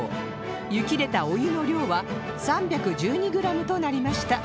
湯切れたお湯の量は３１２グラムとなりました